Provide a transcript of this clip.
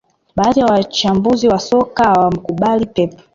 Baadhi ya wachambuzi wa soka hawamkubali Pep